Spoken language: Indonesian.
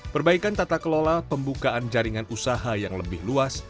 perbaikan tata kelola pembukaan jaringan usaha yang lebih luas